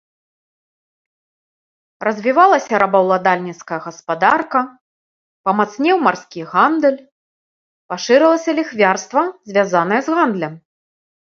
Развівалася рабаўладальніцкая гаспадарка, памацнеў марскі гандаль, пашырылася ліхвярства, звязанае з гандлем.